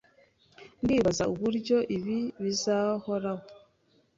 Ndibaza uburyo ibi bizahoraho.